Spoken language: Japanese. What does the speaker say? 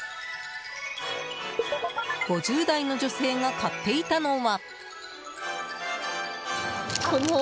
５０代の女性が買っていたのは。